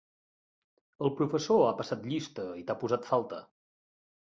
El professor ha passat llista i t'ha posat falta.